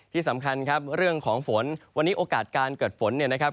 ที่สำคัญครับเรื่องของฝนวันนี้โอกาสการเกิดฝนเนี่ยนะครับ